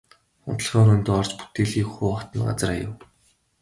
Унтлагын өрөөндөө орж бүтээлгийг хуу татан газар хаяв.